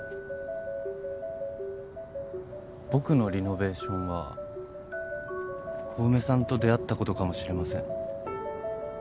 僕のリノベーションは小梅さんと出会ったことかもしれません。